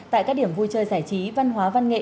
tại các điểm vui chơi giải trí văn hóa văn nghệ